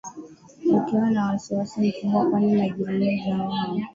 ukiwa na wasiwasi mkubwa kwani majirani zao hao